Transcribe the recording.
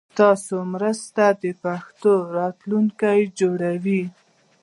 ستاسو مرسته د پښتو راتلونکی جوړوي.